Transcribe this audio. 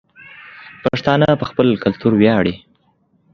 پښتانه په خپل کلتور وياړي